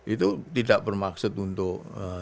itu tidak bermaksud untuk